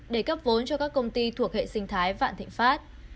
để cấp vốn cho các công ty thuộc hệ sinh thái vạn thịnh pháp